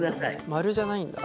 丸じゃないんだ。